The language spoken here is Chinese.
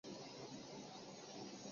蜂须贺氏是日本的氏族。